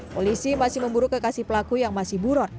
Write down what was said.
polisi masih memburu kekasih pelaku yang masih buron